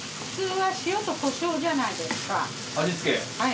はい。